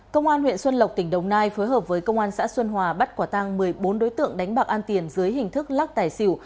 công an huyện xuân lộc tỉnh đồng nai phối hợp với công an xã xuân hòa bắt quả tăng một mươi bốn đối tượng đánh bạc an tiền dưới hình thức lắc tài xỉu